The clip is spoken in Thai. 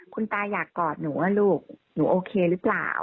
คุณตาอยากกอดหนูว่าลูกหนูโอเคหรือเปล่า